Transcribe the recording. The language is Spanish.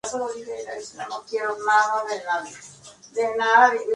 Algunas veces, ha sido utilizada para abrir sus presentaciones.